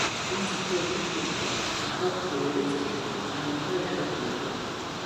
Амца ахы ианақәиҭха, ақәабқәа иҩарыҵачын, анапқәа иаарықәнаргылт.